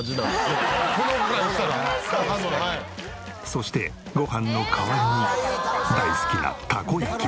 そしてごはんの代わりに大好きなたこ焼き。